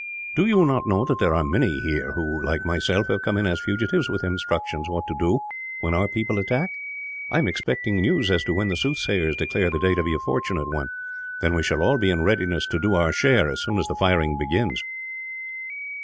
"Do you not know that there are many here who, like myself, have come in as fugitives, with instructions what to do when our people attack? I am expecting news as to when the soothsayers declare the day to be a fortunate one. Then we shall all be in readiness to do our share, as soon as the firing begins."